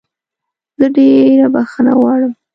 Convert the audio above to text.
زه ډېره بخښنه غواړم